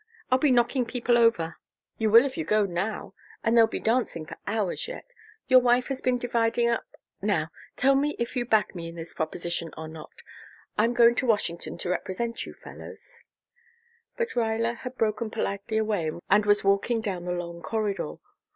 I'll be knocking people over " "You will if you go now, and there'll be dancing for hours yet. Your wife has been dividing up now, tell me if you back me in this proposition or not. I'm going to Washington to represent you fellows " But Ruyler had broken politely away and was walking down the long corridor.